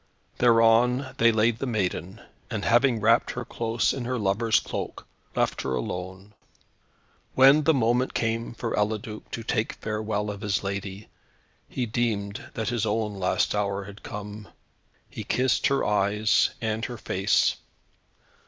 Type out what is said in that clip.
Thereon they laid the maiden, and having wrapped her close in her lover's cloak, left her alone. When the moment came for Eliduc to take farewell of his lady, he deemed that his own last hour had come. He kissed her eyes and her face.